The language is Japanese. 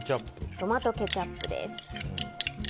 トマトケチャップです。